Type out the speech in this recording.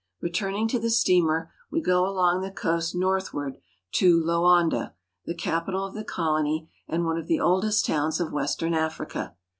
Returning to the steamer, we go along the coast north ward to Loanda (Lo an'da), the capital of the colony and one of the oldest towns of western Africa.